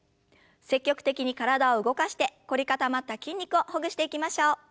積極的に体を動かして凝り固まった筋肉をほぐしていきましょう。